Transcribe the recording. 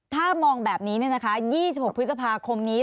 ถ้ามองแบบนี้เนี่ยนะคะ๒๖พฤษภาคมนี้